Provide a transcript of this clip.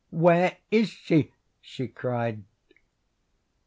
"Where is she?" she cried.